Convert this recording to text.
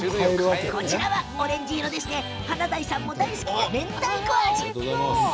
こちらのオレンジ色華大さんも大好きめんたいこ味！